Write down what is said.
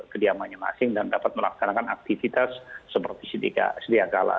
kediamannya masing dan dapat melaksanakan aktivitas seperti setiap kala